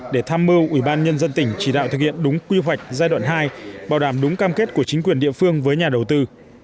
để tham mưu ubnd tỉnh chỉ đạo thực hiện đúng quy hoạch giai đoạn hai bảo đảm đúng cam kết của chính quyền địa phương với nhà đầu tư